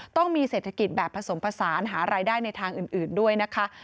ต้องมีเศรษฐกิจแบบผสมผสานหารายได้ในทางอื่นด้วยนะคะ